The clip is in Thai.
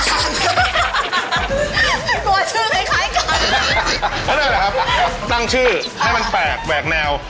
ตัวชื่อคล้ายกันนั่นแหละครับตั้งชื่อให้มันแปลกแหวกแนว